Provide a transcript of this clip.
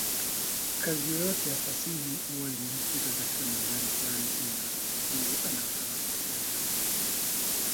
Kazi yoyote ya fasihi huwa imejikita katika mandhari fulani kulingana na maudhui anayotaka kuwasilisha msanii